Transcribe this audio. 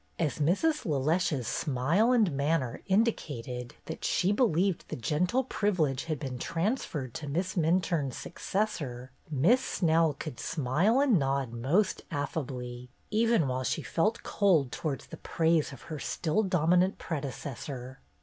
As Mrs. LeLeche's smile and manner indi cated that she believed the gentle "privilege" had been transferred to Miss Minturne's suc cessor, Miss Snell could smile and nod most affably, even while she felt cold towards the praise of her still dominant predecessor.